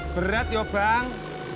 berat ya bang